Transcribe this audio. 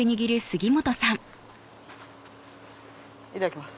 いただきます。